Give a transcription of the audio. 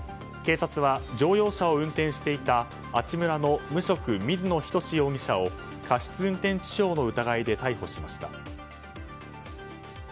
警察は、乗用車を運転していた阿智村の無職、水野人志容疑者を過失運転致傷の疑いで逮捕しました。